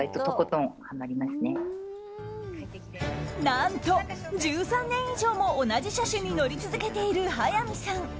何と１３年以上も同じ車種に乗り続けている早見さん。